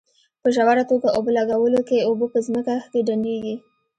په ژوره توګه اوبه لګولو کې اوبه په ځمکه کې ډنډېږي.